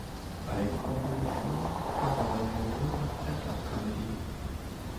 Eigenkompositionen, Coverversionen und Stand-Up-Comedy.